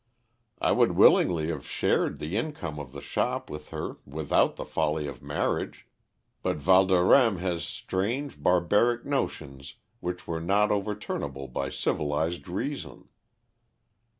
I would willingly have shared the income of the shop with her without the folly of marriage, but Valdorême has strange, barbaric notions which were not overturnable by civilised reason.